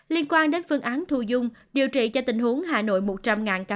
liên quan đến phương án thu dung điều trị cho tình huống hà nội một trăm linh ca